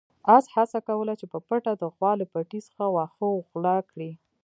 اس هڅه کوله چې په پټه د غوا له پټي څخه واښه وغلا کړي.